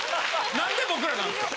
なんで僕らなんですか？